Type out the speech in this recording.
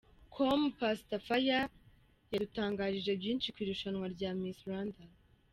com, Pastor Fire yadutangarije byinshi ku irushanwa rya Miss Rwanda.